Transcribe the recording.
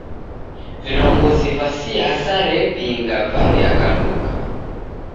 Vilongozi va siasa repinga vaw'iaghaluka.